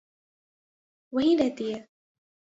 وہیں رہتی ہے۔